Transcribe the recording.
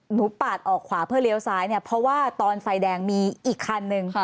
ปาดออกขวาเพื่อเลี้ยวซ้ายเนี่ยเพราะว่าตอนไฟแดงมีอีกคันนึง